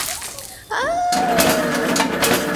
国縫駅